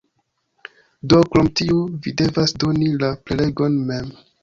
Do krom tiu, vi devas doni la prelegon mem.